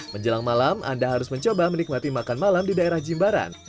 menjelang malam anda harus mencoba menikmati makan malam di daerah jimbaran